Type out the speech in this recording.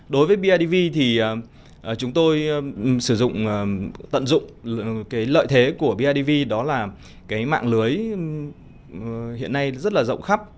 đối với bidv thì chúng tôi sử dụng tận dụng cái lợi thế của bidv đó là cái mạng lưới hiện nay rất là rộng khắp